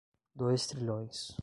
Dois trilhões